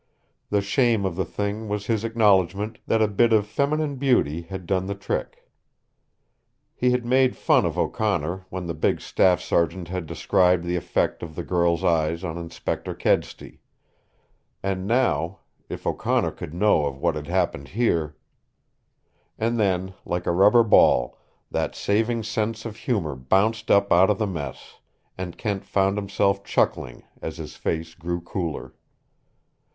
The shame of the thing was his acknowledgment that a bit of feminine beauty had done the trick. He had made fun of O'Connor when the big staff sergeant had described the effect of the girl's eyes on Inspector Kedsty. And, now, if O'Connor could know of what had happened here And then, like a rubber ball, that saving sense of humor bounced up out of the mess, and Kent found himself chuckling as his face grew cooler.